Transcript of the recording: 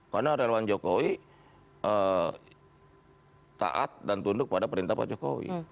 karena relawan jokowi taat dan tunduk pada perintah pak jokowi